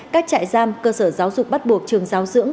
các trại giam cơ sở giáo dục bắt buộc trường giáo dưỡng